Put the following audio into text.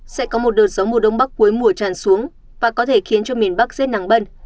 sẽ có một đợt gió mùa đông bắc cuối mùa tràn xuống và có thể khiến cho miền bắc rét nắng bân